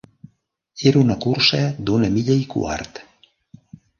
Era una cursa d'una milla i quart.